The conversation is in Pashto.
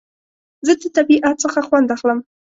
زه د طبیعت څخه خوند اخلم